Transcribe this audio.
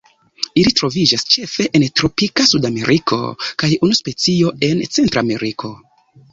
Ili troviĝas ĉefe en tropika Sudameriko, kaj unu specio en Centrameriko.